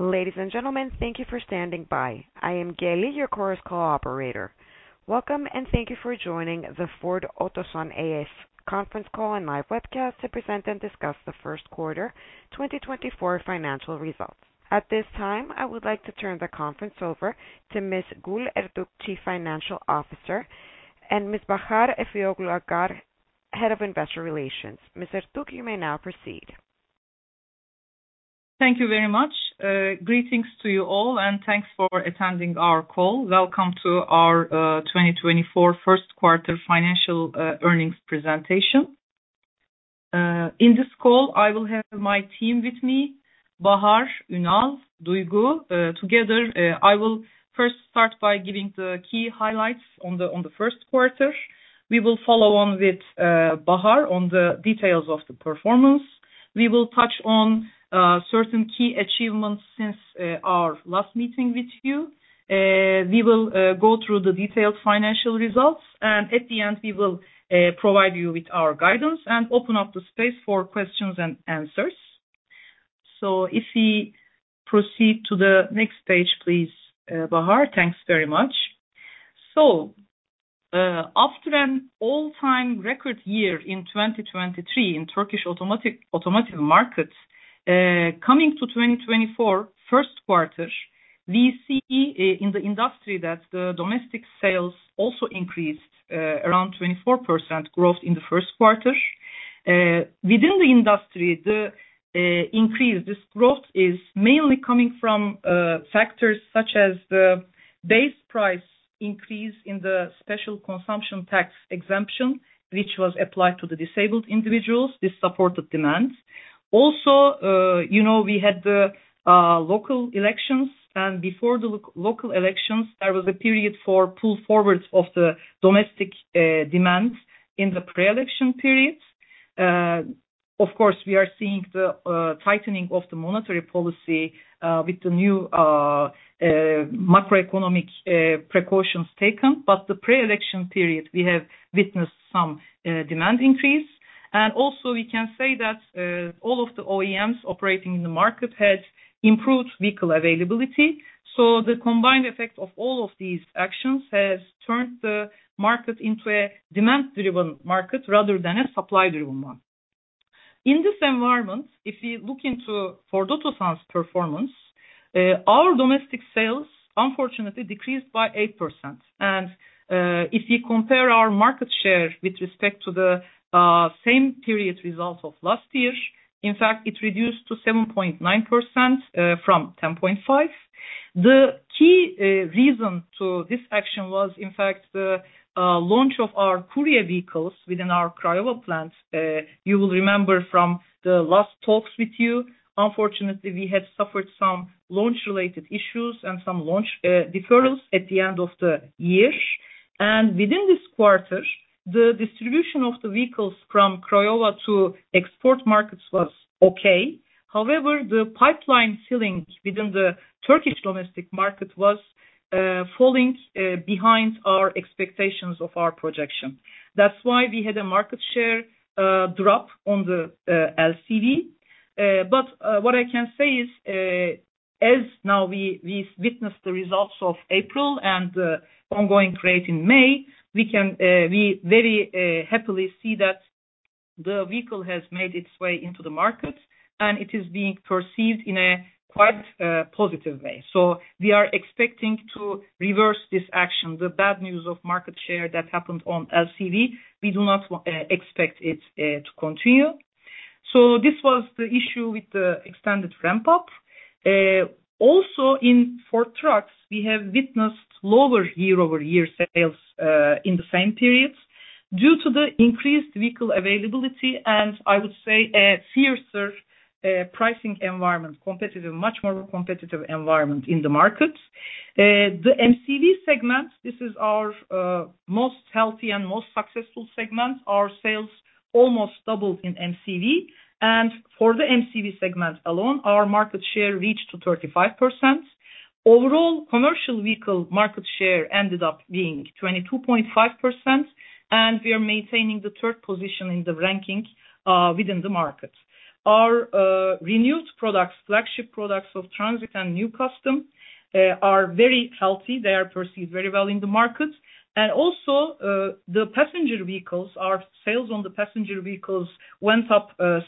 Ladies and gentlemen, thank you for standing by. I am Kelly, your Chorus Call operator. Welcome, and thank you for joining the Ford Otosan A.Ş. conference call and live webcast to present and discuss the first quarter 2024 financial results. At this time, I would like to turn the conference over to Ms. Gül Ertuğ, Chief Financial Officer, and Ms. Bahar Efeoğlu Ağar, Head of Investor Relations. Ms. Ertuğ, you may now proceed. Thank you very much. Greetings to you all, and thanks for attending our call. Welcome to our 2024 first quarter financial earnings presentation. In this call, I will have my team with me, Bahar, Ünal, Duygu. Together, I will first start by giving the key highlights on the first quarter. We will follow on with Bahar on the details of the performance. We will touch on certain key achievements since our last meeting with you. We will go through the detailed financial results, and at the end, we will provide you with our guidance and open up the space for questions and answers. If we proceed to the next page, please, Bahar. Thanks very much. After an all-time record year in 2023 in Turkish automotive markets. Coming to 2024 first quarter, we see in the industry that the domestic sales also increased around 24% growth in the first quarter. Within the industry, the increase, this growth is mainly coming from factors such as the base price increase in the Special Consumption Tax exemption, which was applied to the disabled individuals. This supported demand. Also, you know, we had the local elections, and before the local elections, there was a period for pull forwards of the domestic demand in the pre-election periods. Of course, we are seeing the tightening of the monetary policy with the new macroeconomic precautions taken. But the pre-election period, we have witnessed some demand increase. Also we can say that all of the OEMs operating in the market had improved vehicle availability. The combined effect of all of these actions has turned the market into a demand-driven market rather than a supply-driven one. In this environment, if we look into Ford Otosan's performance, our domestic sales unfortunately decreased by 8%. If you compare our market share with respect to the same period results of last year, in fact, it reduced to 7.9%, from 10.5%. The key reason to this action was in fact the launch of our Courier vehicles within our Craiova plants. You will remember from the last talks with you, unfortunately, we had suffered some launch-related issues and some launch deferrals at the end of the year. Within this quarter, the distribution of the vehicles from Craiova to export markets was okay. However, the pipeline filling within the Turkish domestic market was falling behind our expectations of our projection. That's why we had a market share drop on the LCV. What I can say is, as now we witness the results of April and the ongoing trend in May, we can very happily see that the vehicle has made its way into the market, and it is being perceived in a quite positive way. We are expecting to reverse this action. The bad news of market share that happened on LCV, we do not expect it to continue. This was the issue with the extended ramp up. Also in Ford Trucks, we have witnessed lower year-over-year sales in the same periods due to the increased vehicle availability and I would say a fiercer pricing environment, competitive, much more competitive environment in the market. The MCV segment, this is our most healthy and most successful segment. Our sales almost doubled in MCV. For the MCV segment alone, our market share reached to 35%. Overall, commercial vehicle market share ended up being 22.5%, and we are maintaining the third position in the ranking within the market. Our renewed products, flagship products of Transit and New Custom, are very healthy. They are perceived very well in the market. Also, the passenger vehicles, our sales on the passenger vehicles went up 60%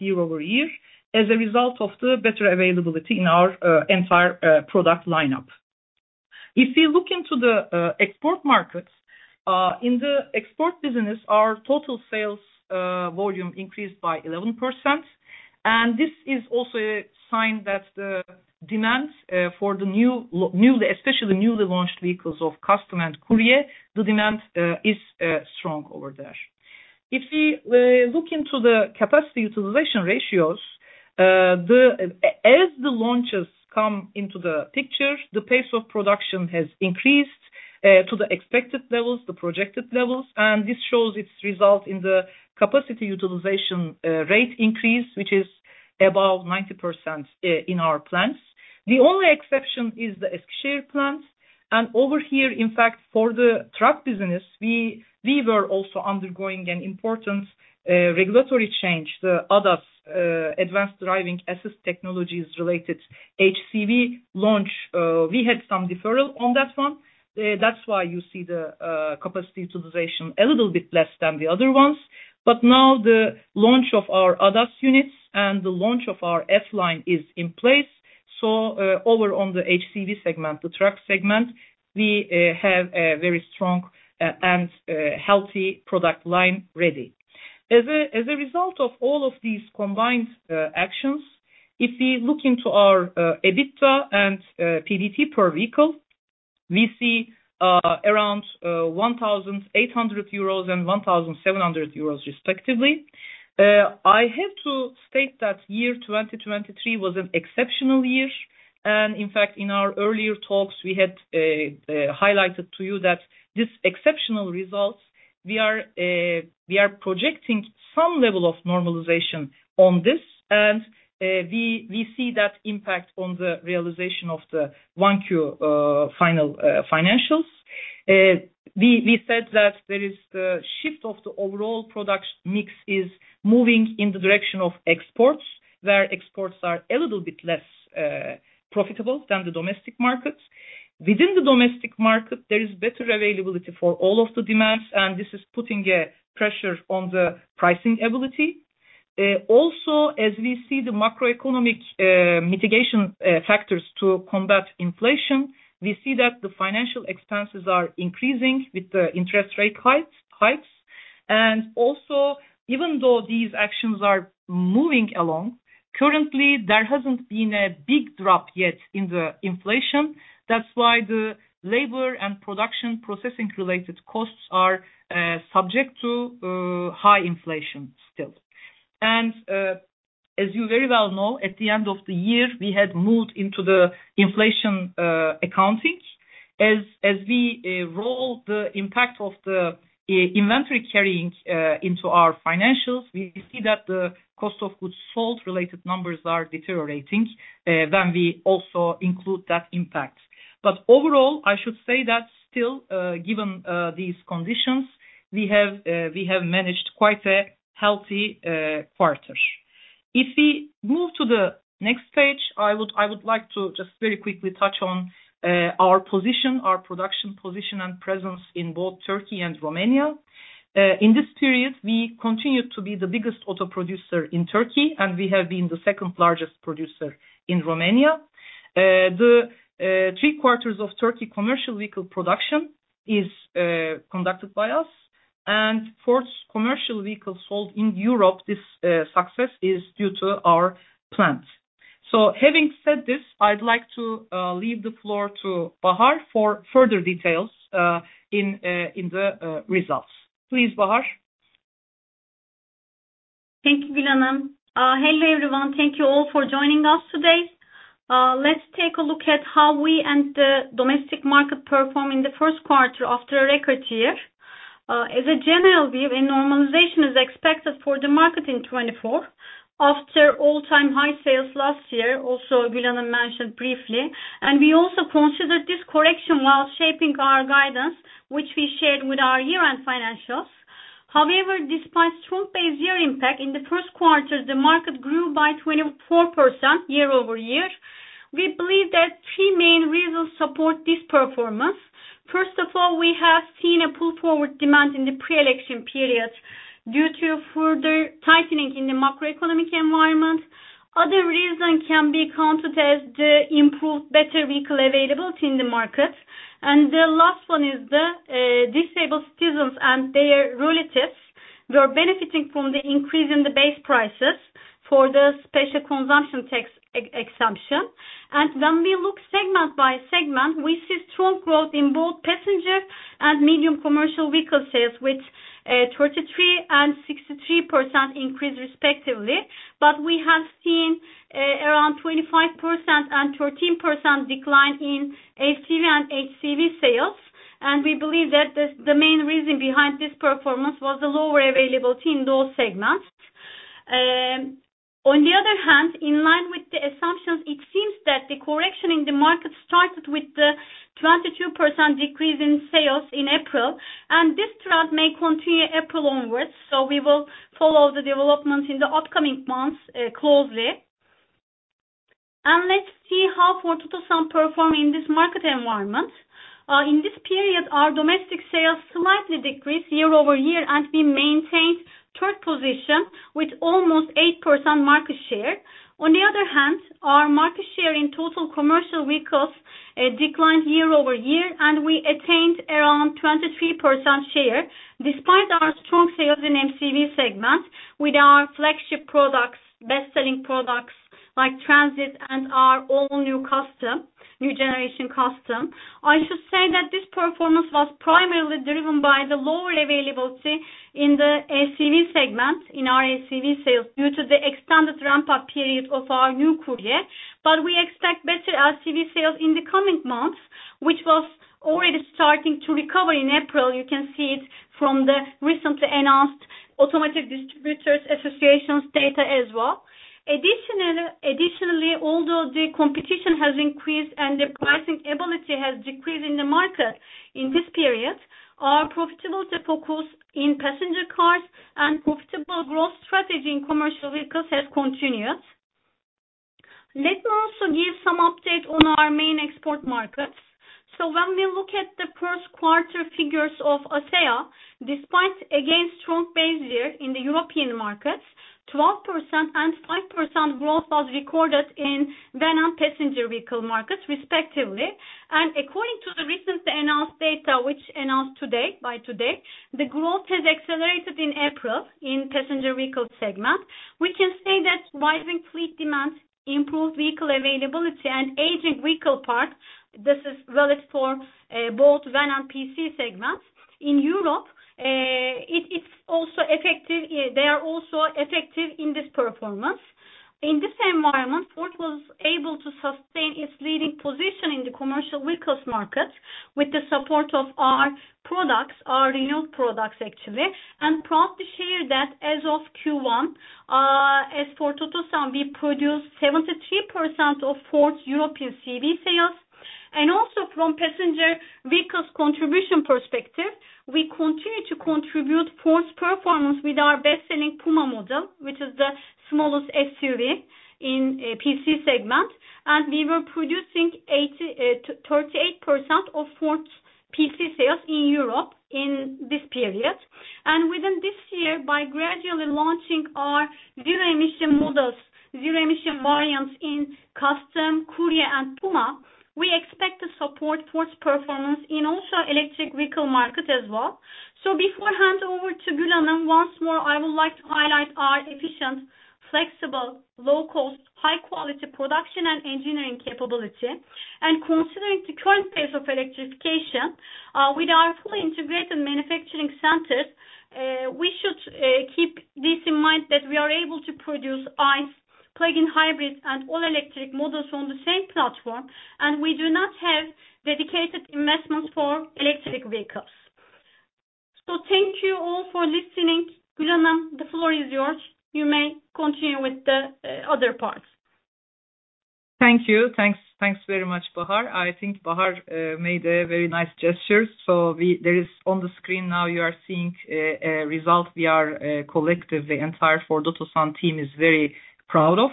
year-over-year as a result of the better availability in our entire product lineup. If we look into the export markets. In the export business, our total sales volume increased by 11%. This is also a sign that the demand for the new, newly launched vehicles of Custom and Courier, the demand is strong over there. If we look into the capacity utilization ratios, as the launches come into the picture, the pace of production has increased to the expected levels, the projected levels, and this shows its result in the capacity utilization rate increase, which is above 90% in our plants. The only exception is the Eskişehir plant. Over here, in fact, for the truck business, we were also undergoing an important regulatory change. The ADAS advanced driving assist technologies related HCV launch, we had some deferral on that one. That's why you see the capacity utilization a little bit less than the other ones. Now the launch of our ADAS units and the launch of our F-LINE is in place. Over on the HCV segment, the truck segment, we have a very strong and healthy product line ready. As a result of all of these combined actions, if we look into our EBITDA and PBT per vehicle, we see around 1,800 euros and 1,700 euros respectively. I have to state that 2023 was an exceptional year. In fact, in our earlier talks, we had highlighted to you that this exceptional results we are projecting some level of normalization on this. We see that impact on the realization of the 1Q final financials. We said that there is the shift of the overall product mix is moving in the direction of exports, where exports are a little bit less profitable than the domestic markets. Within the domestic market, there is better availability for all of the demands, and this is putting a pressure on the pricing ability. Also, as we see the macroeconomic mitigating factors to combat inflation, we see that the financial expenses are increasing with the interest rate hikes. Also, even though these actions are moving along, currently, there hasn't been a big drop yet in the inflation. That's why the labor and production processing-related costs are subject to high inflation still. As you very well know, at the end of the year, we had moved into the inflation accounting. As we roll the impact of the inventory carrying into our financials, we see that the cost of goods sold related numbers are deteriorating, then we also include that impact. Overall, I should say that still, given these conditions, we have managed quite a healthy quarter. If we move to the next page, I would like to just very quickly touch on our position, our production position and presence in both Turkey and Romania. In this period, we continued to be the biggest auto producer in Turkey, and we have been the second largest producer in Romania. The three-quarters of Turkey commercial vehicle production is conducted by us. Fourth commercial vehicle sold in Europe, this success is due to our plant. Having said this, I'd like to leave the floor to Bahar for further details in the results. Please, Bahar. Thank you, Gül. Hello, everyone. Thank you all for joining us today. Let's take a look at how we and the domestic market perform in the first quarter after a record year. As a general view, a normalization is expected for the market in 2024 after all-time high sales last year, also Gül mentioned briefly. We also considered this correction while shaping our guidance, which we shared with our year-end financials. However, despite strong base year impact, in the first quarter, the market grew by 24% year-over-year. We believe that three main reasons support this performance. First of all, we have seen a pull-forward demand in the pre-election periods due to further tightening in the macroeconomic environment. Other reason can be counted as the improved better vehicle availability in the market. The last one is the disabled citizens and their relatives were benefiting from the increase in the base prices for the special consumption tax exemption. When we look segment by segment, we see strong growth in both passenger and medium commercial vehicle sales, which 33% and 63% increase respectively. We have seen around 25% and 13% decline in HCV sales. We believe that the main reason behind this performance was the lower availability in those segments. On the other hand, in line with the assumptions, it seems that the correction in the market started with the 22% decrease in sales in April, and this trend may continue April onwards. We will follow the development in the upcoming months closely. Let's see how Ford Otosan perform in this market environment. In this period, our domestic sales slightly decreased year-over-year, and we maintained third position with almost 8% market share. On the other hand, our market share in total commercial vehicles declined year-over-year, and we attained around 23% share despite our strong sales in MCV segment with our flagship products, best-selling products like Transit and our all-new Custom, new generation Custom. I should say that this performance was primarily driven by the lower availability in the HCV segment, in our HCV sales, due to the extended ramp-up period of our new Courier. We expect better HCV sales in the coming months, which was already starting to recover in April. You can see it from the recently announced Automotive Distributors Association's data as well. Additionally, although the competition has increased and the pricing ability has decreased in the market in this period, our profitable focus in passenger cars and profitable growth strategy in commercial vehicles has continued. Let me also give some update on our main export markets. When we look at the first quarter figures of ACEA, despite again strong base year in the European markets, 12% and 5% growth was recorded in van and passenger vehicle markets respectively. According to the recently announced data, which was announced today, the growth has accelerated in April in passenger vehicle segment. We can say that rising fleet demand, improved vehicle availability and aging vehicle park, this is valid for both van and PC segments. In Europe, they are also effective in this performance. In this environment, Ford was able to sustain its leading position in the commercial vehicles market with the support of our products, our renewed products actually. Proud to share that as of Q1, as for Otosan, we produced 73% of Ford's European CV sales. Also from passenger vehicles contribution perspective, we continue to contribute Ford's performance with our best-selling Puma model, which is the smallest SUV in PC segment. We were producing 88.8% of Ford's PC sales in Europe in this period. Within this year, by gradually launching our zero-emission models, zero-emission variants in Custom, Courier and Puma, we expect to support Ford's performance in also electric vehicle market as well. Before hand over to Gül, once more, I would like to highlight our efficient, flexible, low cost, high quality production and engineering capability. Considering the current pace of electrification, with our fully integrated manufacturing centers, we should keep this in mind that we are able to produce ICE plug-in hybrids and all-electric models on the same platform, and we do not have dedicated investments for electric vehicles. Thank you all for listening. Gül, the floor is yours. You may continue with the other parts. Thank you. Thanks very much, Bahar. I think Bahar made a very nice gesture. There is on the screen now you are seeing a result we are collectively, the entire Ford Otosan team is very proud of.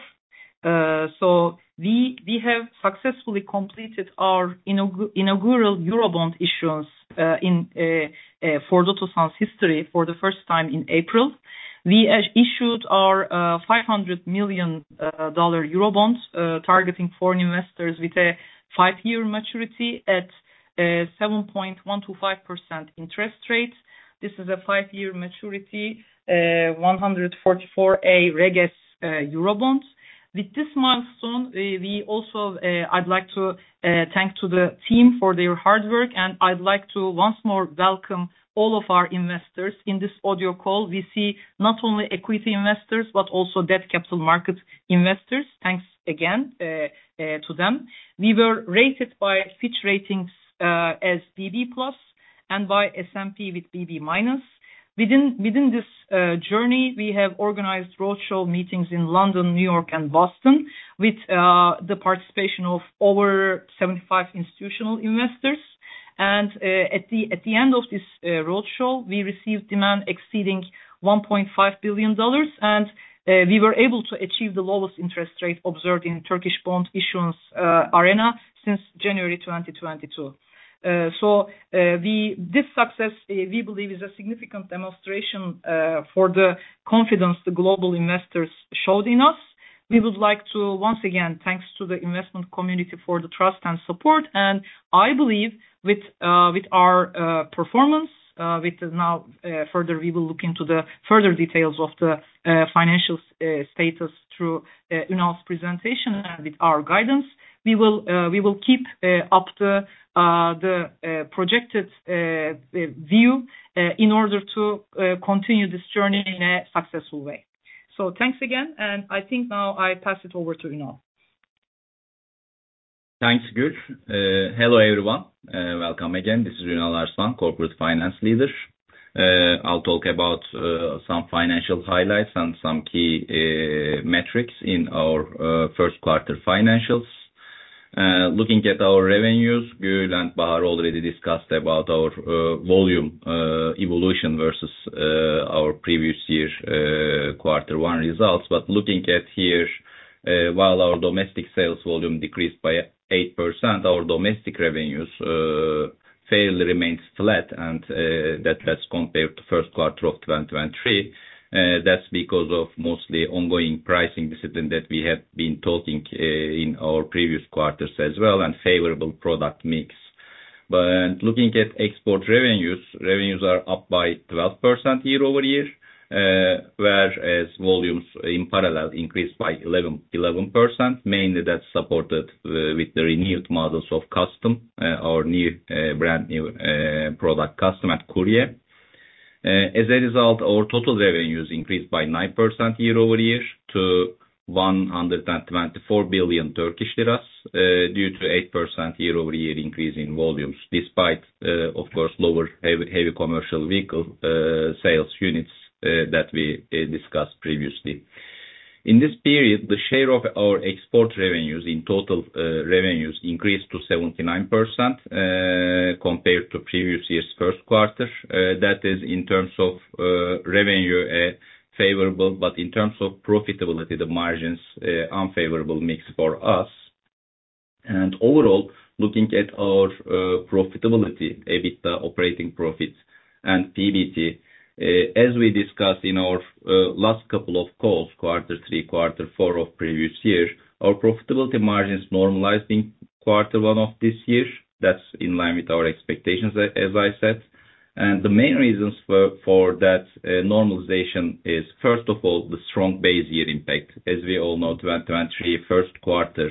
We have successfully completed our inaugural Eurobond issuance in Ford Otosan's history for the first time in April. We have issued our $500 million dollar Eurobond targeting foreign investors with a five-year maturity at 7.125% interest rate. This is a five-year maturity 144A/Reg S Eurobond. With this milestone, we also I'd like to thank the team for their hard work, and I'd like to once more welcome all of our investors in this audio call. We see not only equity investors, but also debt capital markets investors. Thanks again to them. We were rated by Fitch Ratings as BB+ and by S&P with BB-. Within this journey, we have organized roadshow meetings in London, New York and Boston with the participation of over 75 institutional investors. At the end of this roadshow, we received demand exceeding $1.5 billion, and we were able to achieve the lowest interest rate observed in Turkish bond issuance arena since January 2022. This success, we believe, is a significant demonstration for the confidence the global investors showed in us. We would like to once again thank the investment community for the trust and support. I believe with our performance, which is now further, we will look into the further details of the financial status through Ünal's presentation and with our guidance. We will keep up the projected view in order to continue this journey in a successful way. Thanks again, and I think now I pass it over to Ünal. Thanks, Gül. Hello, everyone. Welcome again. This is Ünal Arslan, corporate finance leader. I'll talk about some financial highlights and some key metrics in our first quarter financials. Looking at our revenues, Gül and Bahar already discussed about our volume evolution versus our previous year quarter one results. Looking at here, while our domestic sales volume decreased by 8%, our domestic revenues fairly remains flat. That's compared to first quarter of 2023. That's because of mostly ongoing pricing discipline that we have been talking in our previous quarters as well and favorable product mix. Looking at export revenues are up by 12% year-over-year, whereas volumes in parallel increased by 11%. Mainly that's supported with the renewed models of Custom, our new, brand new, product Custom and Courier. As a result, our total revenues increased by 9% year-over-year to 124 billion Turkish lira due to 8% year-over-year increase in volumes despite, of course, lower heavy commercial vehicle sales units that we discussed previously. In this period, the share of our export revenues in total revenues increased to 79% compared to previous year's first quarter. That is in terms of revenue favorable, but in terms of profitability, the margins unfavorable mix for us. Overall, looking at our profitability, EBITDA, operating profits and PBT, as we discussed in our last couple of calls, quarter three, quarter four of previous year, our profitability margin is normalizing quarter one of this year. That's in line with our expectations as I said. The main reasons for that normalization is, first of all, the strong base year impact. As we all know, 2023 first quarter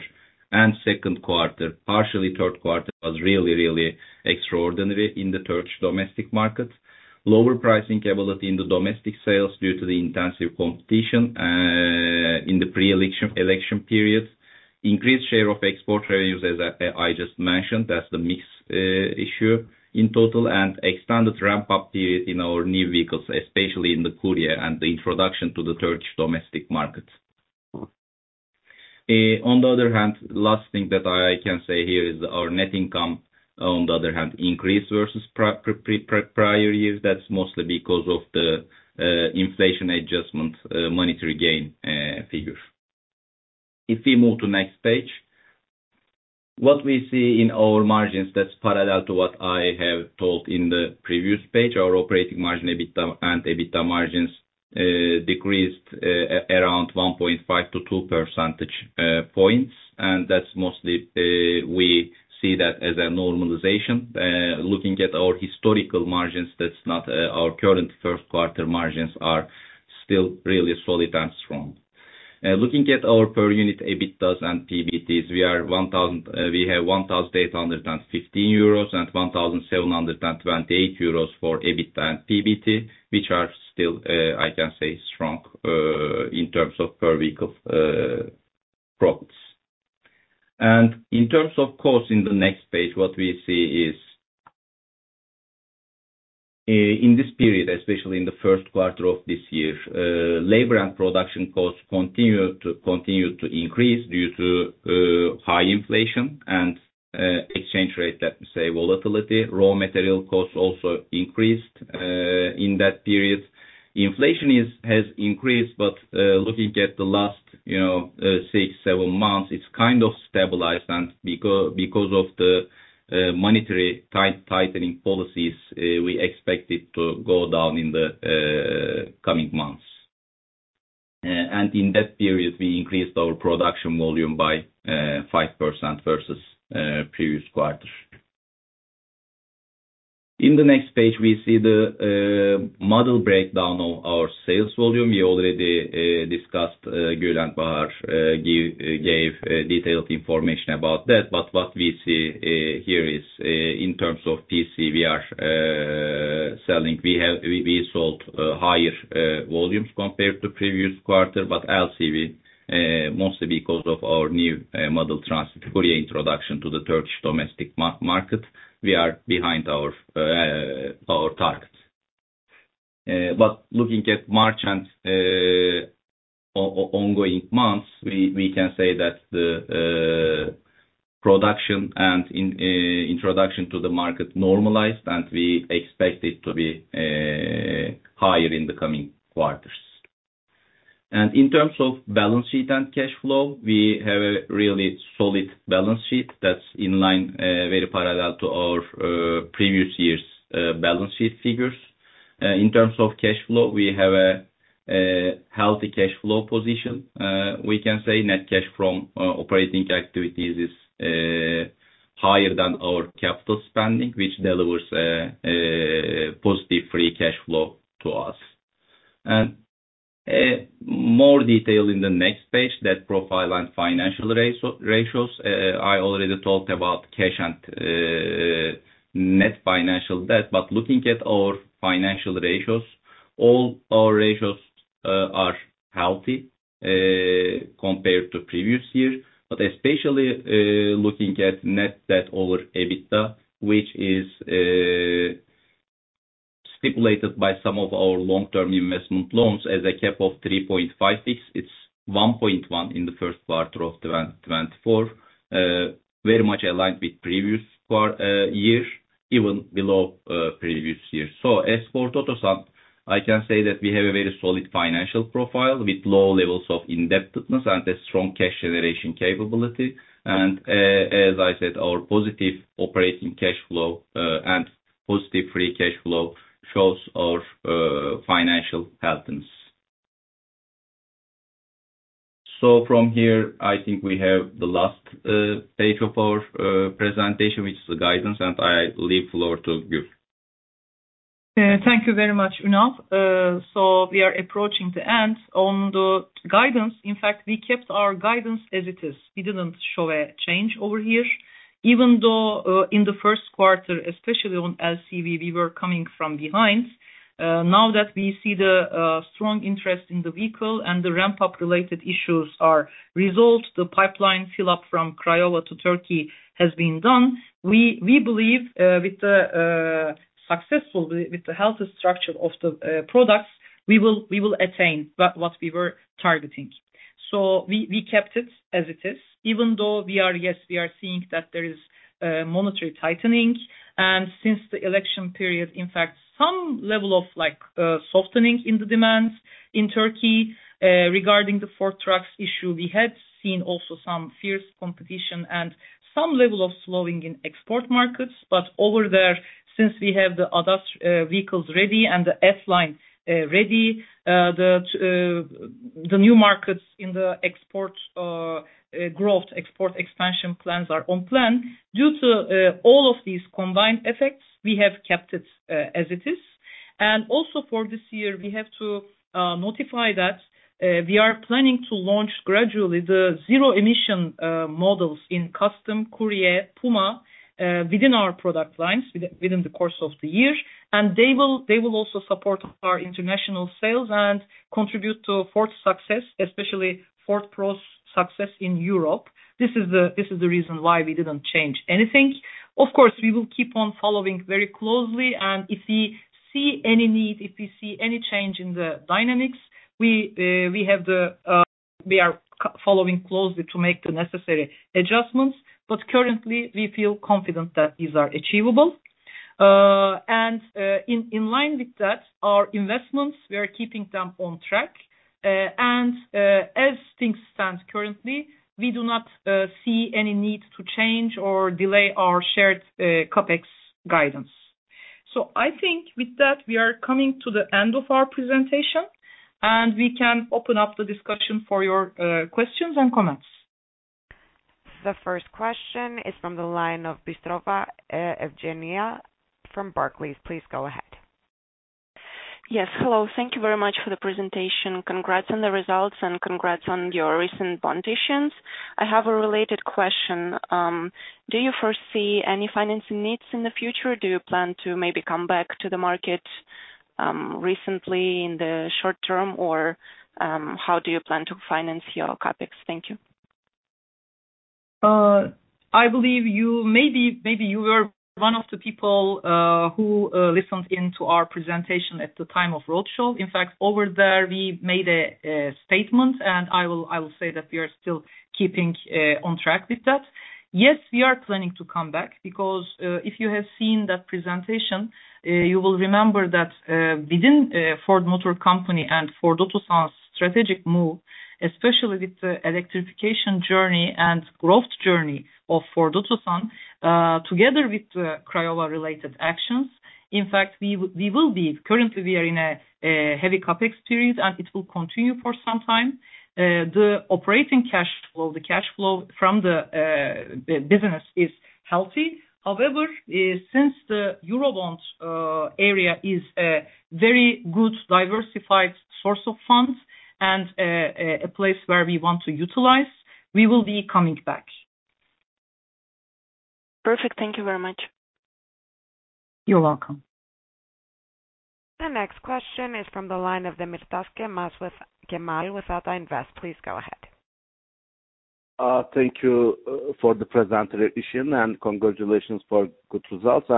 and second quarter, partially third quarter, was really extraordinary in the Turkish domestic market. Lower pricing capability in the domestic sales due to the intensive competition in the pre-election, election period. Increased share of export revenues, as I just mentioned, that's the mix issue in total. Extended ramp-up period in our new vehicles, especially in the Courier, and the introduction to the Turkish domestic market. On the other hand, last thing that I can say here is our net income, on the other hand, increased versus prior years. That's mostly because of the inflation adjustment, monetary gain, figure. If we move to next page. What we see in our margins that's parallel to what I have told in the previous page, our operating margin EBITDA and EBITDA margins decreased around 1.5-2 percentage points. That's mostly, we see that as a normalization. Looking at our historical margins, that's not, our current first quarter margins are still really solid and strong. Looking at our per unit EBITDAs and PBTs, we are 1,000... We have 1,850 euros and 1,728 euros for EBITDA and PBT, which are still, I can say strong, in terms of per vehicle profits. In terms of costs in the next page, what we see is, in this period, especially in the first quarter of this year, labor and production costs continued to increase due to, high inflation and, exchange rate, let me say, volatility. Raw material costs also increased, in that period. Inflation is, has increased, but, looking at the last, you know, six, seven months, it's kind of stabilized. Because of the, monetary tightening policies, we expect it to go down in the, coming months. In that period, we increased our production volume by 5% versus previous quarter. In the next page, we see the model breakdown of our sales volume. We already discussed, Gül and Bahar gave detailed information about that. What we see here is, in terms of PC, we sold higher volumes compared to previous quarter. LCV, mostly because of our new model Transit, Courier introduction to the Turkish domestic market, we are behind our targets. Looking at March and ongoing months, we can say that the production and introduction to the market normalized, and we expect it to be higher in the coming quarters. In terms of balance sheet and cash flow, we have a really solid balance sheet that's in line, very parallel to our previous year's balance sheet figures. In terms of cash flow, we have a healthy cash flow position. We can say net cash from operating activities is higher than our capital spending, which delivers positive free cash flow to us. More detail in the next page, debt profile and financial ratios. I already talked about cash and net financial debt. Looking at our financial ratios, all our ratios are healthy compared to previous year. Especially looking at net debt over EBITDA, which is stipulated by some of our long-term investment loans as a cap of 3.56. It's 1.1 in the first quarter of 2024. Very much aligned with previous quarter, year, even below previous year. As for Ford Otosan, I can say that we have a very solid financial profile with low levels of indebtedness and a strong cash generation capability. As I said, our positive operating cash flow and positive free cash flow shows our financial healthiness. From here, I think we have the last page of our presentation, which is the guidance, and I leave the floor to Gül. Thank you very much, Ünal. We are approaching the end. On the guidance, in fact, we kept our guidance as it is. We didn't show a change over here. Even though, in the first quarter, especially on LCV, we were coming from behind, now that we see the strong interest in the vehicle and the ramp-up related issues are resolved, the pipeline fill-up from Craiova to Turkey has been done. We believe with the successful healthy structure of the products, we will attain what we were targeting. We kept it as it is, even though we are seeing that there is monetary tightening. Since the election period, in fact, some level of like, softening in the demands in Turkey. Regarding the Ford Trucks issue, we had seen also some fierce competition and some level of slowing in export markets. Over there, since we have the HCV vehicles ready and the F-LINE ready, the new markets in the export growth, export expansion plans are on plan. Due to all of these combined effects, we have kept it as it is. Also for this year, we have to notify that we are planning to launch gradually the zero-emission models in Transit Custom, Courier, Puma within our product lines within the course of the year. They will also support our international sales and contribute to Ford's success, especially Ford Pro's success in Europe. This is the reason why we didn't change anything. Of course, we will keep on following very closely and if we see any need, if we see any change in the dynamics, we are following closely to make the necessary adjustments. Currently, we feel confident that these are achievable. In line with that, our investments, we are keeping them on track. As things stand currently, we do not see any need to change or delay our shared CapEx guidance. I think with that, we are coming to the end of our presentation, and we can open up the discussion for your questions and comments. The first question is from the line of Bystrova, Evgeniya from Barclays. Please go ahead. Yes. Hello, thank you very much for the presentation. Congrats on the results and congrats on your recent bond issuance. I have a related question. Do you foresee any financing needs in the future? Do you plan to maybe come back to the market, recently in the short term? Or, how do you plan to finance your CapEx? Thank you. I believe maybe you were one of the people who listened in to our presentation at the time of roadshow. In fact, over there we made a statement, and I will say that we are still keeping on track with that. Yes, we are planning to come back because if you have seen that presentation, you will remember that within Ford Motor Company and Ford Otosan's strategic move, especially with the electrification journey and growth journey of Ford Otosan, together with the Craiova related actions, in fact we will be. Currently, we are in a heavy CapEx period, and it will continue for some time. The operating cash flow, the cash flow from the business is healthy. However, since the Eurobond area is a very good diversified source of funds and a place where we want to utilize, we will be coming back. Perfect. Thank you very much. You're welcome. The next question is from the line of Kemal Demirtaş with Ata Invest. Please go ahead. Thank you for the presentation and congratulations for good results.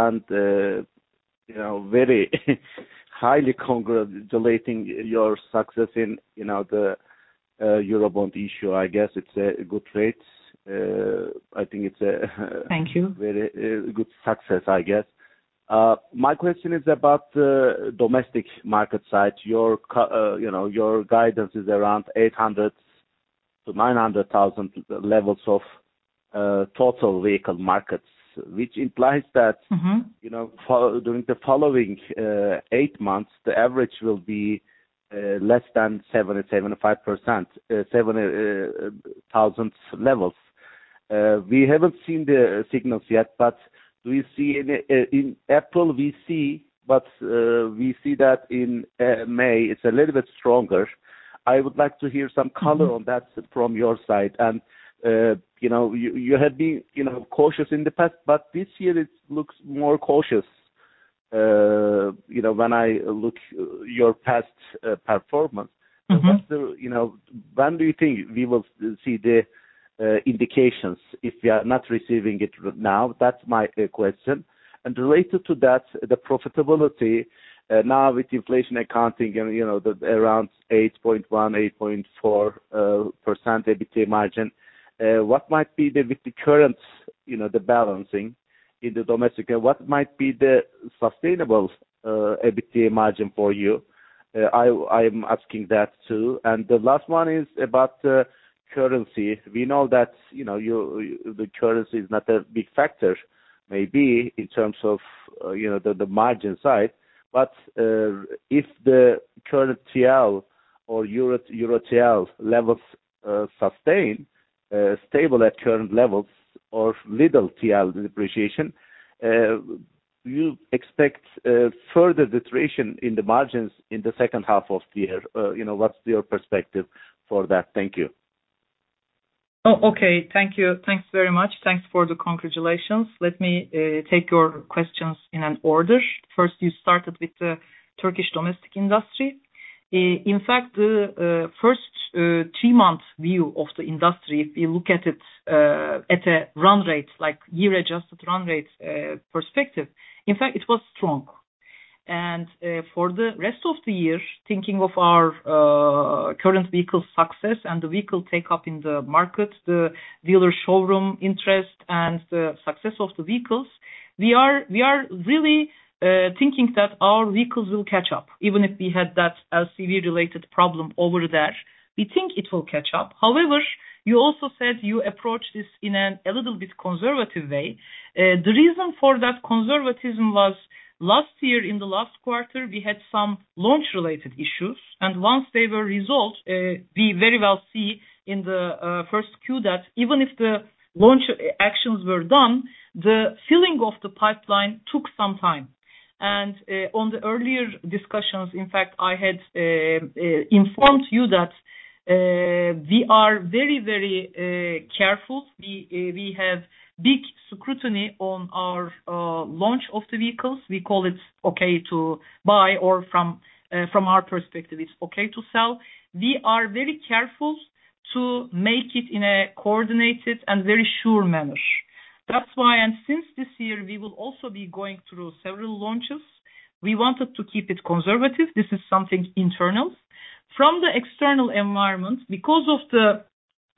You know, very highly congratulating your success in, you know, the Eurobond issue. I guess it's good rates. I think it's a Thank you. Very good success, I guess. My question is about the domestic market side. You know, your guidance is around 800-900 thousand levels of total vehicle markets, which implies that- Mm-hmm. You know, during the following eight months, the average will be less than 7%-7.5%, 7,000 levels. We haven't seen the signals yet, but do you see any? In April we see, but we see that in May it's a little bit stronger. I would like to hear some color on that from your side. You know, you had been, you know, cautious in the past, but this year it looks more cautious, you know, when I look at your past performance. Mm-hmm. When do you think we will see the indications if we are not receiving it right now? That's my question. Related to that, the profitability now with inflation accounting and, you know, the around 8.1%-8.4% EBITDA margin, what might be the with the current, you know, the balancing in the domestic and what might be the sustainable EBITDA margin for you? I am asking that too. The last one is about currency. We know that, you know, the currency is not a big factor, maybe in terms of, you know, the margin side. If the current TL or EUR/TL levels sustain stable at current levels or little TL depreciation, do you expect further deterioration in the margins in the second half of the year? You know, what's your perspective for that? Thank you. Oh, okay. Thank you. Thanks very much. Thanks for the congratulations. Let me take your questions in an order. First, you started with the Turkish domestic industry. In fact, the first three-month view of the industry, if you look at it at a run rate, like year adjusted run rate perspective, in fact, it was strong. For the rest of the year, thinking of our current vehicle success and the vehicle take-up in the market, the dealer showroom interest and the success of the vehicles, we are really thinking that our vehicles will catch up, even if we had that LCV-related problem over there. We think it will catch up. However, you also said you approach this in a little bit conservative way. The reason for that conservatism was last year, in the last quarter, we had some launch-related issues, and once they were resolved, we very well see in the first Q that even if the launch actions were done, the filling of the pipeline took some time. On the earlier discussions, in fact, I had informed you that we are very careful. We have big scrutiny on our launch of the vehicles. We call it okay to buy or from our perspective, it's okay to sell. We are very careful to make it in a coordinated and very sure manner. That's why, and since this year, we will also be going through several launches. We wanted to keep it conservative. This is something internal. From the external environment, because of the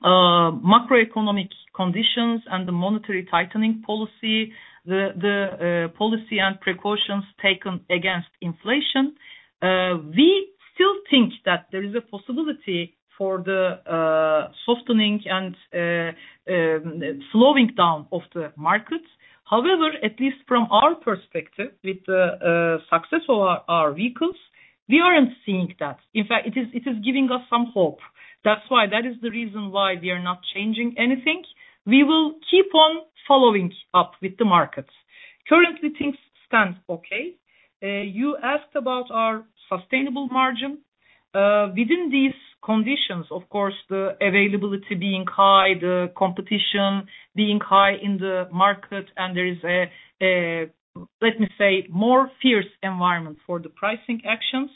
macroeconomic conditions and the monetary tightening policy, the policy and precautions taken against inflation, we still think that there is a possibility for the softening and slowing down of the market. However, at least from our perspective, with the success of our vehicles, we aren't seeing that. In fact, it is giving us some hope. That's why, that is the reason why we are not changing anything. We will keep on following up with the market. Currently, things stand okay. You asked about our sustainable margin. Within these conditions, of course, the availability being high, the competition being high in the market and there is a, let me say, more fierce environment for the pricing actions.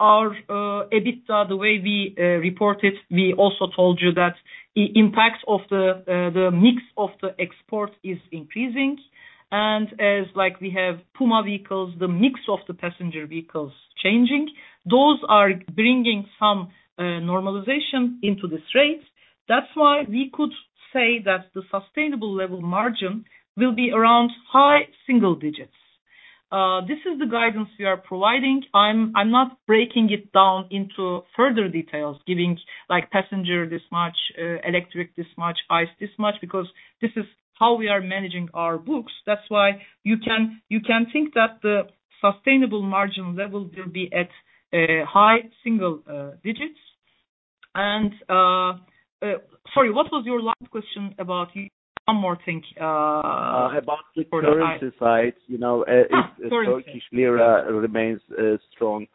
Our EBITDA, the way we reported, we also told you that impact of the mix of the export is increasing. As like we have Puma vehicles, the mix of the passenger vehicles changing, those are bringing some normalization into this rate. That's why we could say that the sustainable level margin will be around high single digits. This is the guidance we are providing. I'm not breaking it down into further details, giving like passenger this much, electric this much, ICE this much, because this is how we are managing our books. That's why you can think that the sustainable margin level will be at high single digits%. Sorry, what was your last question about? One more thing. About the currency side, you know, Sorry. If Turkish lira remains strong,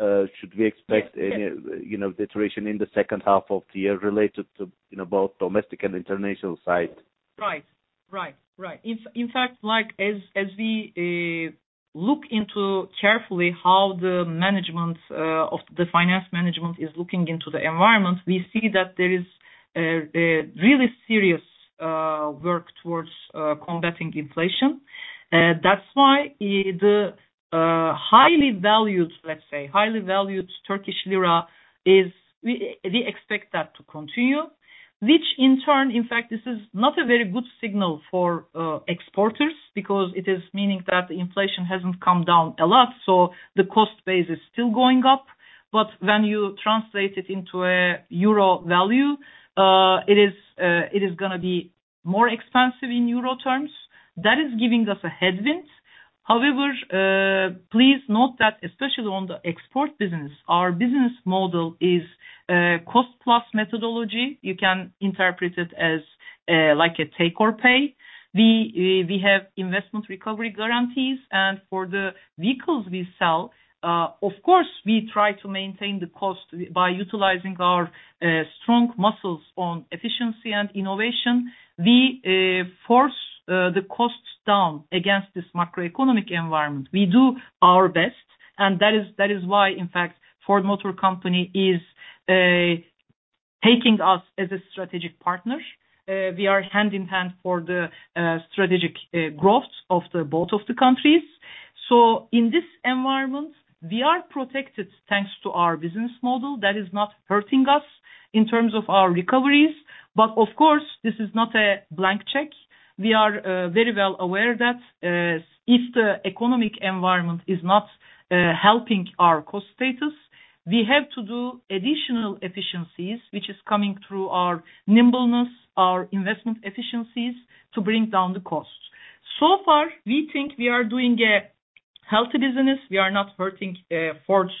should we expect, you know, deterioration in the second half of the year related to, you know, both domestic and international side? Right. In fact, as we look into carefully how the management of the financial management is looking into the environment, we see that there is a really serious work towards combating inflation. That's why the highly valued, let's say, Turkish lira is— We expect that to continue, which in turn, in fact, this is not a very good signal for exporters because it is meaning that the inflation hasn't come down a lot, so the cost base is still going up. But when you translate it into a euro value, it is gonna be more expensive in euro terms. That is giving us a headwind. However, please note that especially on the export business, our business model is cost-plus methodology. You can interpret it as, like a take or pay. We have investment recovery guarantees. For the vehicles we sell, of course, we try to maintain the cost by utilizing our strong muscles on efficiency and innovation. We force the costs down against this macroeconomic environment. We do our best. That is why, in fact, Ford Motor Company is taking us as a strategic partner. We are hand in hand for the strategic growth of the both of the countries. In this environment, we are protected thanks to our business model. That is not hurting us in terms of our recoveries. Of course, this is not a blank check. We are very well aware that if the economic environment is not helping our cost status, we have to do additional efficiencies, which is coming through our nimbleness, our investment efficiencies to bring down the costs. So far, we think we are doing a healthy business. We are not hurting Ford's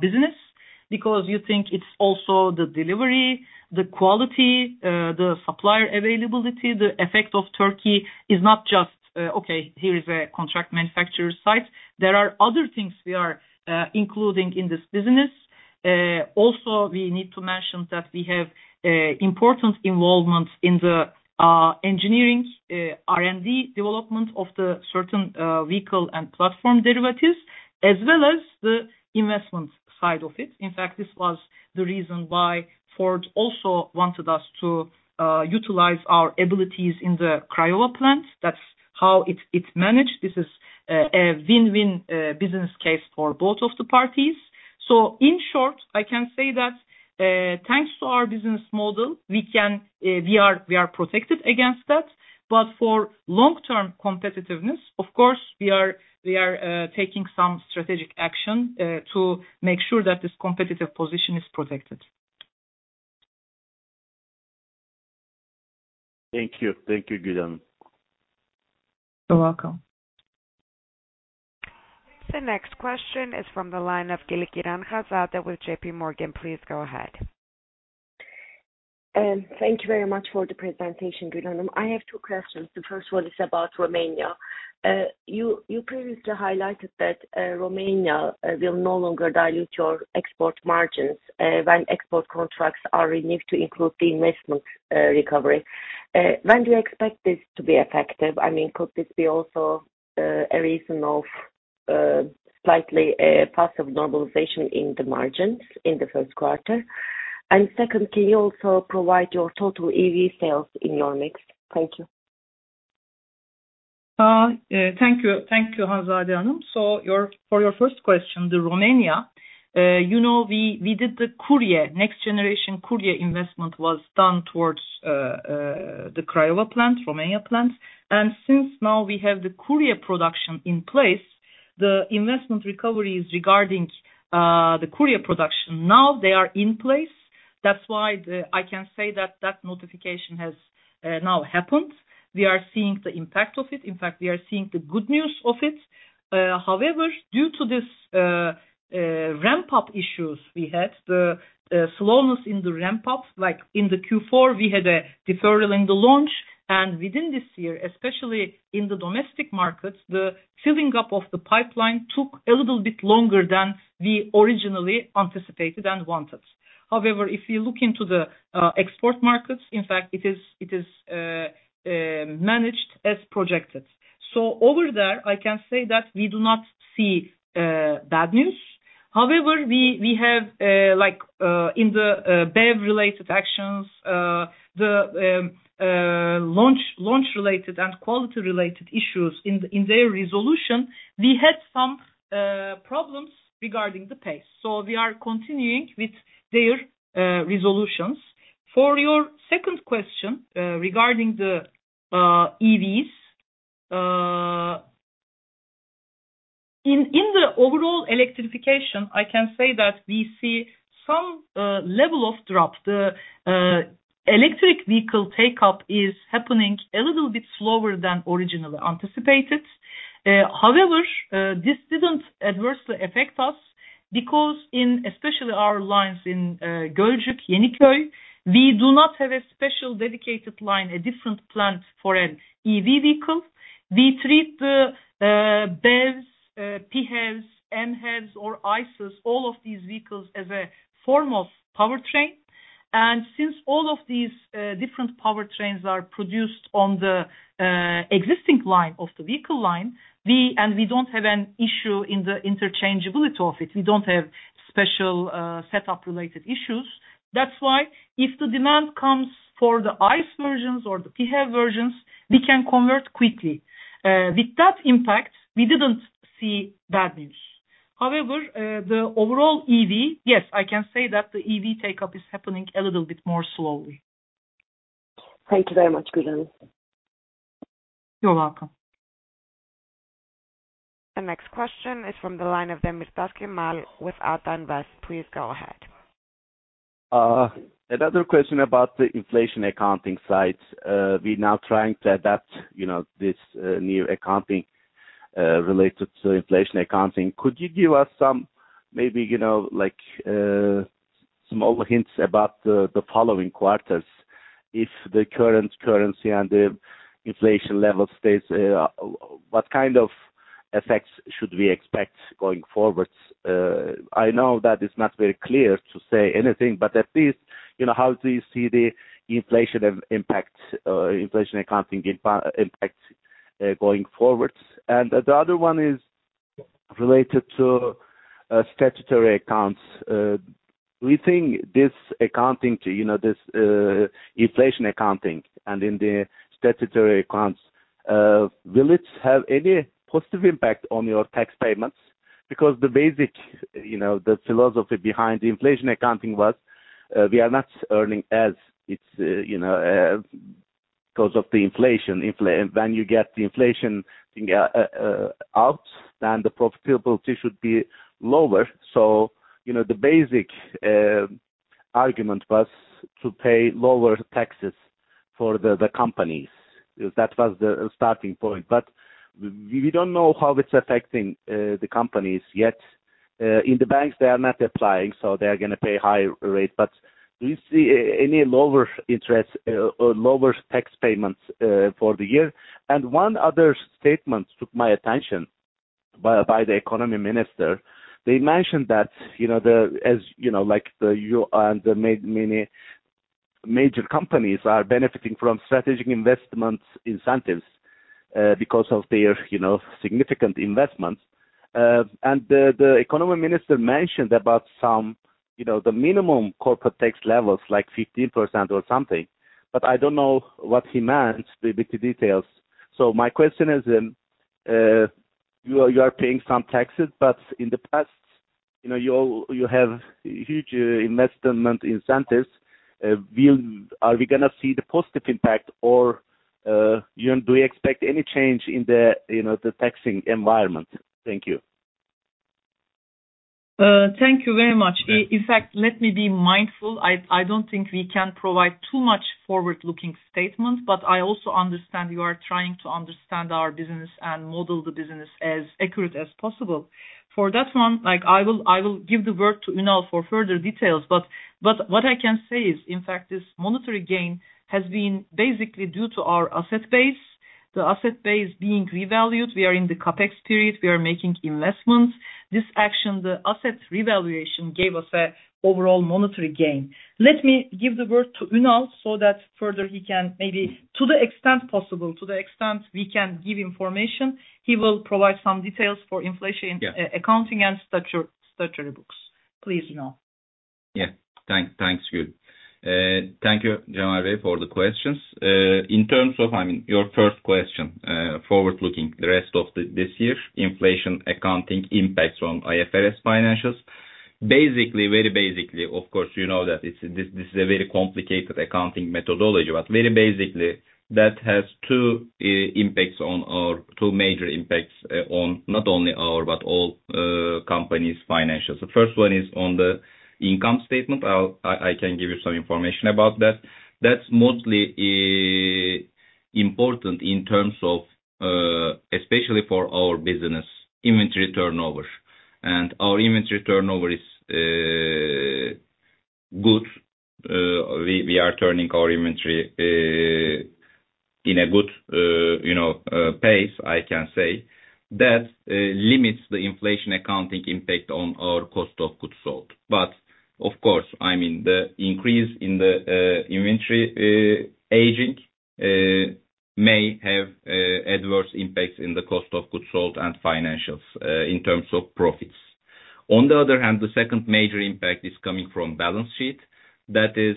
business because you think it's also the delivery, the quality, the supplier availability. The effect of Turkey is not just okay, here is a contract manufacturer site. There are other things we are including in this business. Also, we need to mention that we have important involvement in the engineering, R&D development of the certain vehicle and platform derivatives, as well as the investment side of it. In fact, this was the reason why Ford also wanted us to utilize our abilities in the Craiova plant. That's how it's managed. This is a win-win business case for both of the parties. In short, I can say that, thanks to our business model, we can, we are protected against that. For long-term competitiveness, of course, we are taking some strategic action to make sure that this competitive position is protected. Thank you. Thank you, Gül. You're welcome. The next question is from the line of Hazade Çelikıran with JPMorgan. Please go ahead. Thank you very much for the presentation, Gül. I have two questions. The first one is about Romania. You previously highlighted that Romania will no longer dilute your export margins when export contracts are renewed to include the investment recovery. When do you expect this to be effective? I mean, could this be also a reason of slightly passive normalization in the margins in the first quarter? Second, can you also provide your total EV sales in your mix? Thank you. Thank you. Thank you, Hazade. For your first question, the Romania, you know, we did the Courier. Next generation Courier investment was done towards the Craiova plant, Romania plant. Since now we have the Courier production in place, the investment recovery is regarding the Courier production. Now they are in place. That's why I can say that notification has now happened. We are seeing the impact of it. In fact, we are seeing the good news of it. However, due to this ramp-up issues we had, the slowness in the ramp-up, like in the Q4, we had a deferral in the launch. Within this year, especially in the domestic markets, the filling up of the pipeline took a little bit longer than we originally anticipated and wanted. However, if you look into the export markets, in fact, it is managed as projected. Over there, I can say that we do not see bad news. However, we have, like, in the BEV related actions, the launch related and quality related issues in their resolution, we had some problems regarding the pace. We are continuing with their resolutions. For your second question, regarding the EVs. In the overall electrification, I can say that we see some level of drop. The electric vehicle take-up is happening a little bit slower than originally anticipated. However, this didn't adversely affect us because in especially our lines in Gölcük, Yeniköy, we do not have a special dedicated line, a different plant for an EV vehicle. We treat the BEVs, PHEVs, MHEVs or ICEs, all of these vehicles as a form of powertrain. Since all of these different powertrains are produced on the existing line of the vehicle line, we don't have an issue in the interchangeability of it. We don't have special setup related issues. That's why if the demand comes for the ICE versions or the PHEV versions, we can convert quickly. With that impact, we didn't see bad news. However, the overall EV, yes, I can say that the EV take-up is happening a little bit more slowly. Thank you very much, Gül. You're welcome. The next question is from the line of Kemal Demirtaş with Ata Invest. Please go ahead. Another question about the inflation accounting side. We're now trying to adapt, you know, this, new accounting, related to inflation accounting. Could you give us some maybe, you know, like, small hints about the following quarters? If the current currency and the inflation level stays, what kind of effects should we expect going forward? I know that it's not very clear to say anything, but at least, you know, how do you see the inflation impact, inflation accounting impact, going forwards? The other one is related to statutory accounts. We think this accounting, you know, this, inflation accounting and in the statutory accounts, will it have any positive impact on your tax payments? Because the basic philosophy behind the inflation accounting was, we are not earning as it's because of the inflation when you get the inflation out, then the profitability should be lower. The basic argument was to pay lower taxes for the companies. That was the starting point. We don't know how it's affecting the companies yet. In the banks, they are not applying, they're gonna pay higher rate. Do you see any lower interest or lower tax payments for the year? One other statement took my attention by the economy minister. They mentioned that, you know, many major companies are benefiting from strategic investment incentives because of their, you know, significant investments. The economy minister mentioned about some, you know, the minimum corporate tax levels, like 15% or something. I don't know what he meant with the details. My question is, you are paying some taxes, but in the past, you know, you have huge investment incentives. Are we gonna see the positive impact or, you know, do you expect any change in the, you know, the taxing environment? Thank you. Thank you very much. In fact, let me be mindful. I don't think we can provide too much forward-looking statements, but I also understand you are trying to understand our business and model the business as accurate as possible. For that one, like I will give the word to Ünal for further details. But what I can say is, in fact, this monetary gain has been basically due to our asset base, the asset base being revalued. We are in the CapEx period. We are making investments. This action, the asset revaluation, gave us a overall monetary gain. Let me give the word to Ünal so that further he can maybe, to the extent possible, to the extent we can give information, he will provide some details for inflation. Yeah. accounting and statutory books. Please, Ünal. Yeah. Thanks, Gül. Thank you, Kemal, for the questions. In terms of, I mean, your first question, forward looking the rest of this year, inflation accounting impacts on IFRS financials. Basically, very basically, of course, you know that it's, this is a very complicated accounting methodology, but very basically that has two major impacts on not only our, but all companies' financials. The first one is on the income statement. I can give you some information about that. That's mostly important in terms of, especially for our business inventory turnover. Our inventory turnover is good. We are turning our inventory in a good pace, you know, I can say. That limits the inflation accounting impact on our cost of goods sold. Of course, I mean, the increase in the inventory aging may have adverse impacts in the cost of goods sold and financials in terms of profits. On the other hand, the second major impact is coming from balance sheet. That is,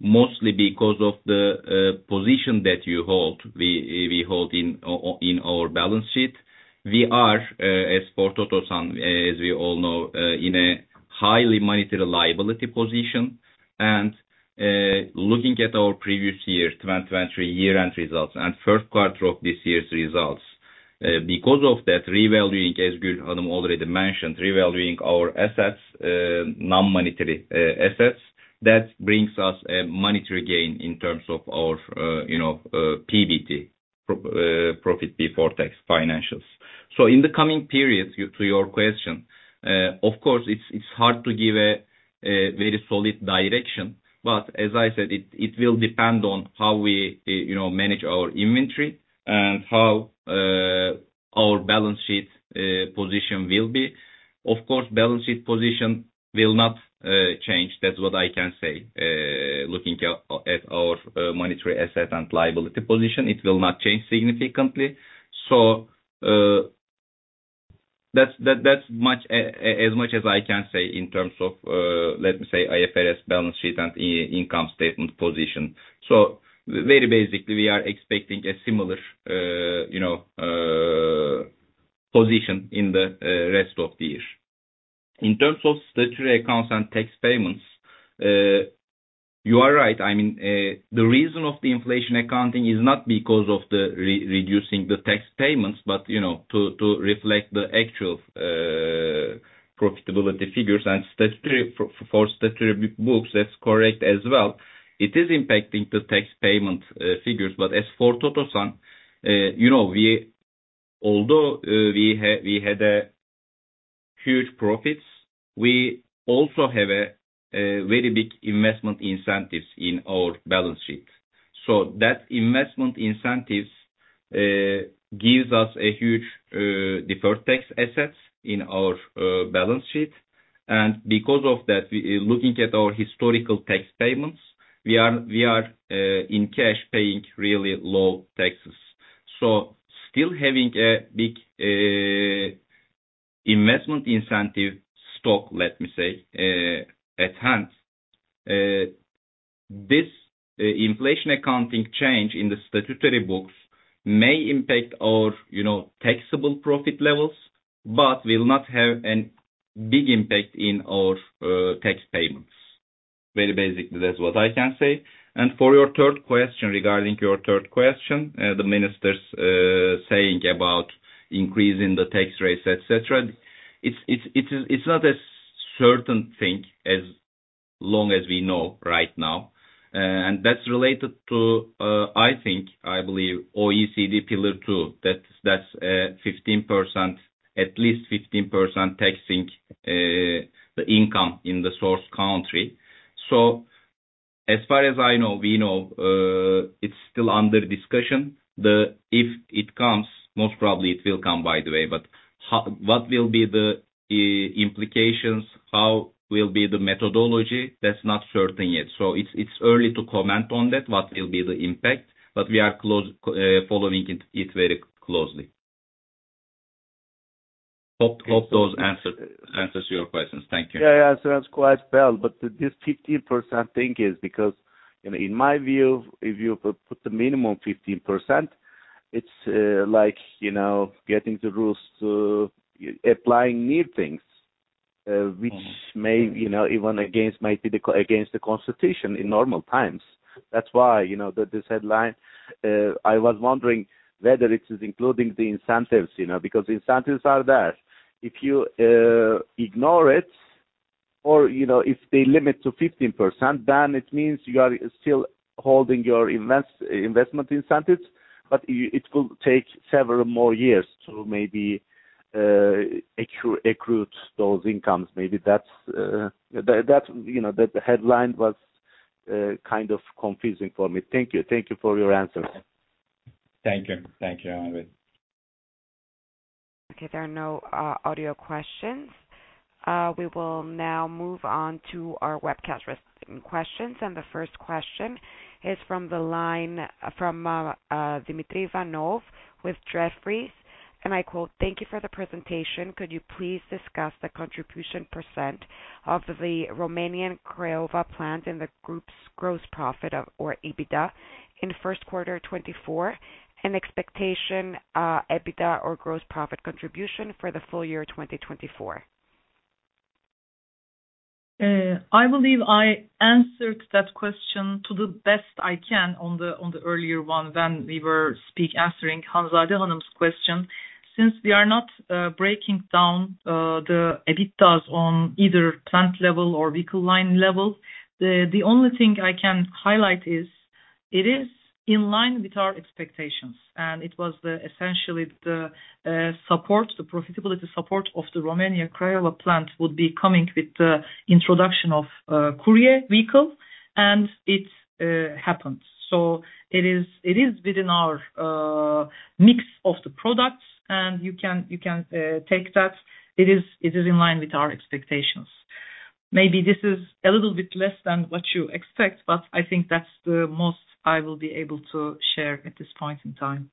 mostly because of the position that you hold, we hold in our balance sheet. We are, as for Otosan, as we all know, in a highly monetary liability position. Looking at our previous year, 2020 year-end results and first quarter of this year's results, because of that revaluing, as Gül had already mentioned, revaluing our assets, non-monetary assets, that brings us a monetary gain in terms of our, you know, PBT, profit before tax financials. In the coming periods, to your question, of course, it's hard to give a very solid direction, but as I said, it will depend on how we, you know, manage our inventory and how our balance sheet position will be. Of course, balance sheet position will not change. That's what I can say. Looking at our monetary asset and liability position, it will not change significantly. That's as much as I can say in terms of, let me say, IFRS balance sheet and income statement position. Very basically, we are expecting a similar, you know, position in the rest of the year. In terms of statutory accounts and tax payments, you are right. I mean, the reason of the inflation accounting is not because of the reducing the tax payments, but you know, to reflect the actual profitability figures and statutory, for statutory books, that's correct as well. It is impacting the tax payment figures. As for Otosan, you know, we, although we had huge profits, we also have a very big investment incentives in our balance sheet. So that investment incentives gives us a huge deferred tax assets in our balance sheet. Because of that, we looking at our historical tax payments, we are in cash paying really low taxes. Still having a big investment incentive stock, let me say, at hand, this inflation accounting change in the statutory books may impact our, you know, taxable profit levels, but will not have a big impact in our tax payments. Very basically, that's what I can say. For your third question, regarding your third question, the ministers saying about increasing the tax rates, etc., it's not a certain thing as long as we know right now. That's related to, I think, I believe OECD Pillar Two, that's 15%, at least 15% taxing the income in the source country. As far as I know, we know, it's still under discussion. If it comes, most probably it will come, by the way, but how what will be the implications? How will be the methodology? That's not certain yet. It's early to comment on that, what will be the impact, but we are closely following it very closely. Hope those answers your questions. Thank you. Yeah, it answers quite well. This 15% thing is because, you know, in my view, if you put the minimum 15%, it's like, you know, getting the rules to applying new things. Mm. Which may, you know, even be against the constitution in normal times. That's why, you know, this headline, I was wondering whether it is including the incentives, you know, because incentives are there. If you ignore it or, you know, if they limit to 15%, then it means you are still holding your investment incentives, but it will take several more years to maybe accrue those incomes. Maybe that's, you know, the headline was kind of confusing for me. Thank you. Thank you for your answers. Thank you. Thank you, Kemal. Okay, there are no audio questions. We will now move on to our webcast questions. The first question is from the line of Dmitry Ivanov with Jefferies, and I quote, "Thank you for the presentation. Could you please discuss the contribution percent of the Romanian Craiova plant and the group's gross profit or EBITDA in first quarter 2024, and expectation EBITDA or gross profit contribution for the full year 2024? I believe I answered that question to the best I can on the earlier one when we were answering Hazade Hanım's question. Since we are not breaking down the EBITDA on either plant level or vehicle line level, the only thing I can highlight is it is in line with our expectations, and it was essentially the profitability support of the Romanian Craiova plant would be coming with the introduction of the Courier vehicle, and it happened. It is within our mix of the product. It is in line with our expectations. Maybe this is a little bit less than what you expect, but I think that's the most I will be able to share at this point in time.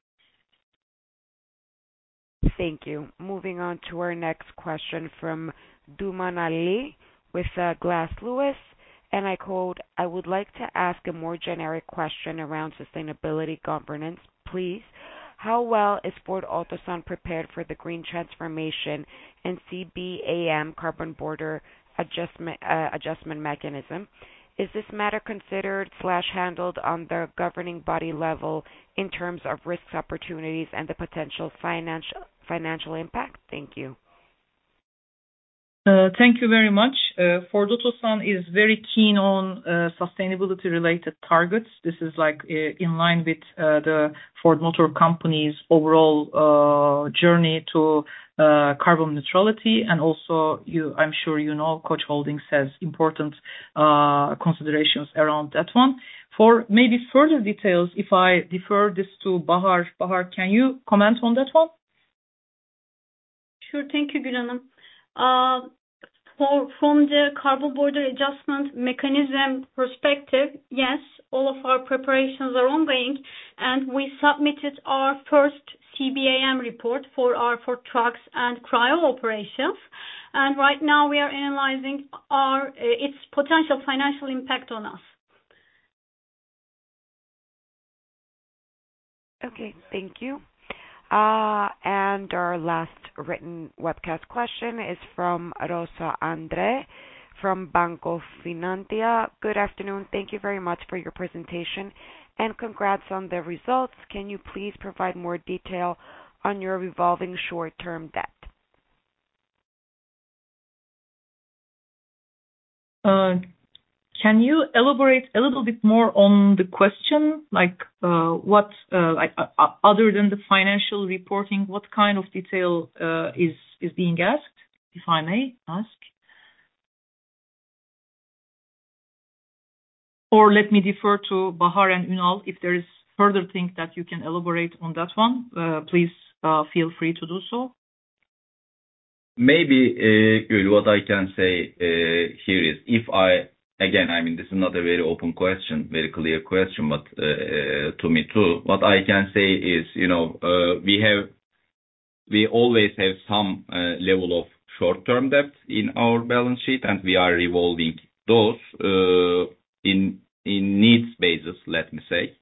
Thank you. Moving on to our next question from Ali Duman with Glass Lewis, and I quote, "I would like to ask a more generic question around sustainability governance, please. How well is Ford Otosan prepared for the green transformation and CBAM, Carbon Border Adjustment Mechanism? Is this matter considered or handled on the governing body level in terms of risks, opportunities, and the potential financial impact? Thank you. Thank you very much. Ford Otosan is very keen on sustainability related targets. This is like in line with the Ford Motor Company's overall journey to carbon neutrality. Also you, I'm sure you know, Koç Holding has important considerations around that one. For maybe further details, if I defer this to Bahar. Bahar, can you comment on that one? Sure. Thank you, Gül Hanım. From the Carbon Border Adjustment Mechanism perspective, yes, all of our preparations are ongoing, and we submitted our first CBAM report for our Ford Trucks and Craiova operations. Right now we are analyzing our its potential financial impact on us. Okay. Thank you. Our last written webcast question is from André Rosa from Banco Finantia. Good afternoon. Thank you very much for your presentation, and congrats on the results. Can you please provide more detail on your revolving short-term debt? Can you elaborate a little bit more on the question? Like, what, like, other than the financial reporting, what kind of detail is being asked, if I may ask? Let me defer to Bahar and Ünal. If there is further things that you can elaborate on that one, please, feel free to do so. Maybe, Gül, what I can say here is. Again, I mean, this is not a very open question, very clear question, but to me too, what I can say is, you know, we always have some level of short-term debt in our balance sheet, and we are revolving those on needs basis, let me say.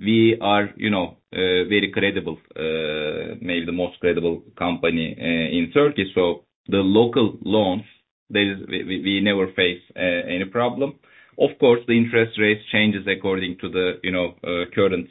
We are, you know, very credible, maybe the most credible company in Turkey. So the local loans, we never face any problem. Of course, the interest rates changes according to the, you know, current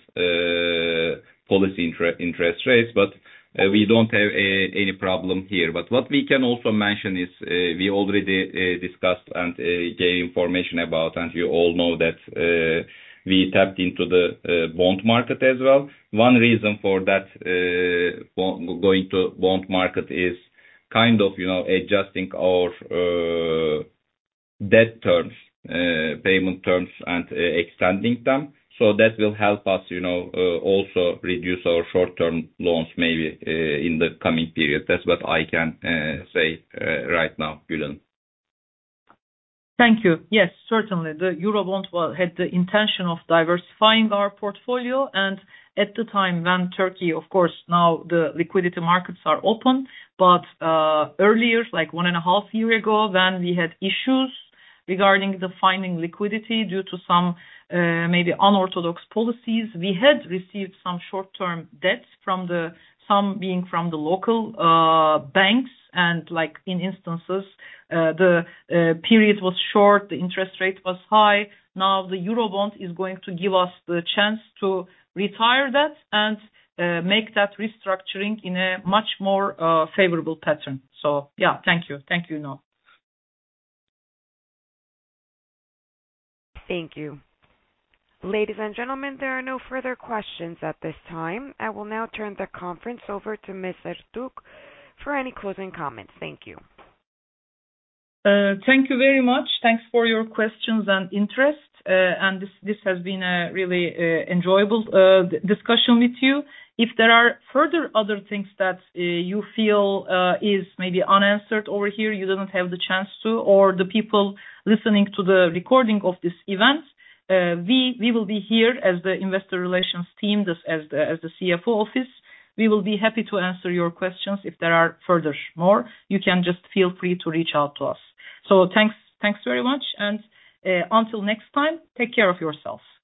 policy interest rates, but we don't have any problem here. What we can also mention is, we already discussed and gave information about, and you all know that, we tapped into the bond market as well. One reason for that, going to bond market is kind of, you know, adjusting our debt terms, payment terms and extending them. That will help us, you know, also reduce our short-term loans maybe, in the coming period. That's what I can say, right now, Gül Hanım. Thank you. Yes, certainly. The Eurobond has had the intention of diversifying our portfolio. At the time when Turkey, of course, now the liquidity markets are open, but earlier, like 1.5 years ago, when we had issues regarding the funding liquidity due to some maybe unorthodox policies, we had received some short-term debts from the, some being from the local banks. Like in instances, the period was short, the interest rate was high. Now, the Eurobond is going to give us the chance to retire that and make that restructuring in a much more favorable pattern. Yeah, thank you. Thank you, Ünal. Thank you. Ladies and gentlemen, there are no further questions at this time. I will now turn the conference over to Ms. Ertuğ for any closing comments. Thank you. Thank you very much. Thanks for your questions and interest. This has been a really enjoyable discussion with you. If there are further other things that you feel is maybe unanswered over here, you didn't have the chance to, or the people listening to the recording of this event, we will be here as the investor relations team, as the CFO office. We will be happy to answer your questions if there are further more. You can just feel free to reach out to us. Thanks very much. Until next time, take care of yourselves. Thank you.